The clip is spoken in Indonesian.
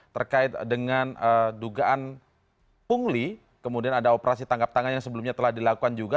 terkait dengan dugaan pungli kemudian ada operasi tangkap tangan yang sebelumnya telah dilakukan juga